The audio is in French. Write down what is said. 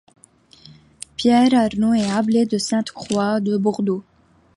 Pierre Arnaud est abbé de Sainte-Croix de Bordeaux.